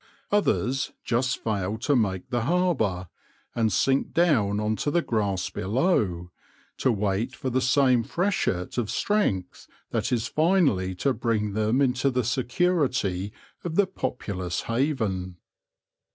Others just fail to make the harbour, and sink down on to the grass below, to wait for the same freshet of strength that is finally to bring them into the security of the populous haven.